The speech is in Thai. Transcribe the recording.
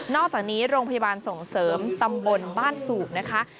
อกจากนี้โรงพยาบาลส่งเสริมตำบลบ้านสูบนะคะ